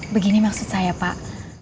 begini maksud saya pak